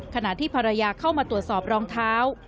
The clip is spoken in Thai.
ขณะที่ภรรยาเข้ามาตรวจสอบรองเท้า